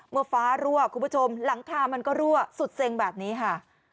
เมื่อฟ้ารั่วคุณผู้ชมหลังคามันก็รั่วสุดเซ็งแบบนี้ค่ะ